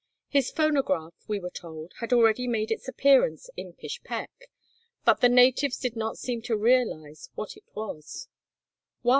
His phonograph, we were told, had already made its appearance in Pishpek, but the natives did not seem to realize what it was.